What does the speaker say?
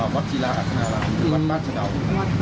วัดศิลาอาสานารามวัดบาชุดาว